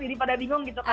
jadi pada bingung gitu kan